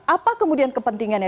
apa kemudian kepentingannya